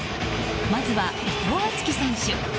まずは伊藤敦樹選手。